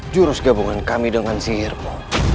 jurus gabungan kami dengan sihirmo